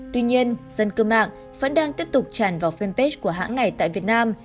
tuy nhiên dân cư mạng vẫn đang tiếp tục tràn vào fanpage của hãng này tại việt nam